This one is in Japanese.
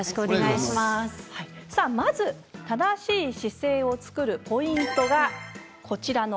まず正しい姿勢を作るポイントが３つです。